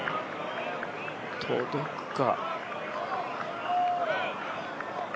届くか。